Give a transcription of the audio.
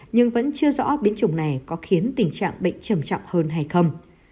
nhưng vẫn chưa rõ biến chủng này có khiến tình trạng bệnh trầm trọng hơn hay không